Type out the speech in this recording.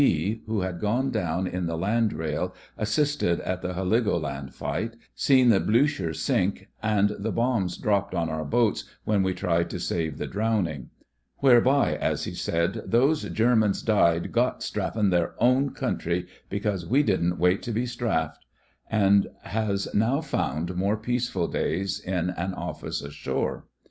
B. who had gone down in the Landrail, as sisted at the Heligoland fight, seen the Bliicher sink and the bombs dropped on our boats when we tried to save the drowning ("Whereby," as he said, "those Germans died gott THE FEINGES OF THE FLEET 25 strafin' their own country because we didn't wait to be strafed"), and has now found more peaceful days in an Office ashore.